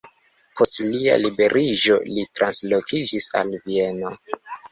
Post lia liberiĝo li translokiĝis al Vieno.